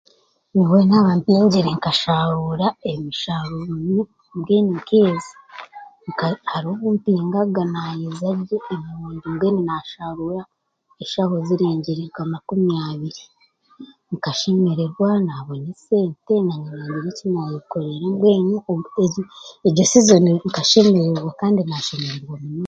Nyowe naaba mpingire nkashaaruura emishaaruuro, mbwenu nkeeza, hariho obumpingaga naayeza gye emondi mbwenu naashaaruura eshaho ehuriire nka makumi abiri. Nkashemererwa, naabona esente, naanye naagira eki naayekorera mbwenu egyo sizon nkashemererwa, kandi naashemererwa munonga.